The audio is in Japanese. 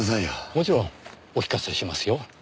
もちろんお聞かせしますよ。